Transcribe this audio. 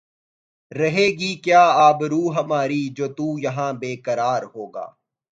رہے گی کیا آبرو ہماری جو تو یہاں بے قرار ہوگا